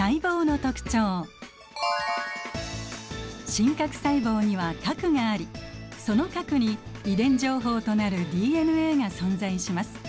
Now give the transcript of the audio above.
真核細胞には核がありその核に遺伝情報となるＤＮＡが存在します。